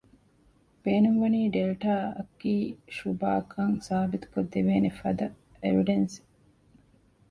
ބޭނުންވަނީ ޑެލްޓާ އަކީ ޝުބާކަން ސާބިތުކޮށްދެވޭނެފަދަ އެވިޑެންސްއެއް